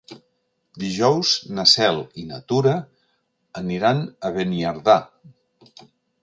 Dijous na Cel i na Tura aniran a Beniardà.